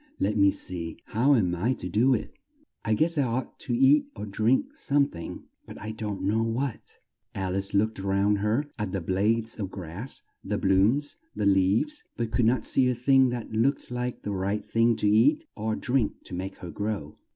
Let me see how am I to do it? I guess I ought to eat or drink some thing, but I don't know what!" Al ice looked all round her at the blades of grass, the blooms, the leaves, but could not see a thing that looked like the right thing to eat or drink to make her grow.